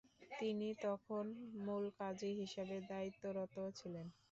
তিনি তখন মুলকাজী হিসেবে দায়িত্বরত ছিলেন।